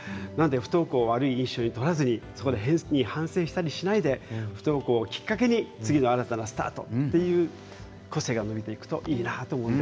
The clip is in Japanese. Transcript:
不登校は悪い印象に捉えずに反省したりせず不登校をきっかけに次の新たなスタートという個性がのびていくといいなと思います。